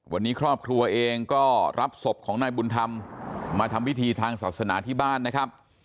วันนี้ครอบครัวเองก็รับศพของนายบุญธรรมมาทำพิธีทางศาสนาที่บ้านนะครับ